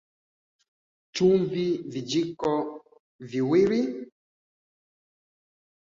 Kuanzia mwaka wa elfu moja mia tisa sitini na mbili, matangazo yaligeuzwa na kufanywa kipindi kilichotangazwa moja kwa moja.